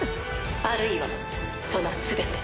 あるいはその全て。